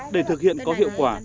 để thực hiện có hiệu quả